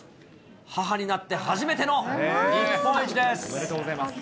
母になって初めての日本一です。